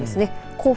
甲府